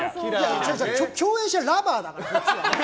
共演者ラバーだから、こっちは。